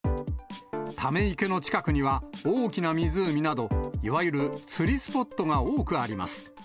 ため池の近くには、大きな湖など、いわゆる釣りスポットが多くあります。